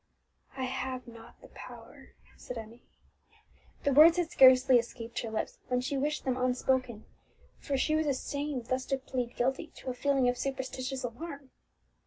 "I have not the power," said Emmie. The words had scarcely escaped her lips when she wished them unspoken, for she was ashamed thus to plead guilty to a feeling of superstitious alarm.